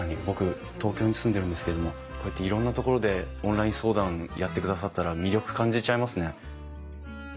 僕東京に住んでるんですけどもこうやっていろんなところでオンライン相談やってくださったら魅力感じちゃいますね。